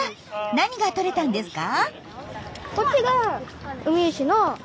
何がとれたんですか？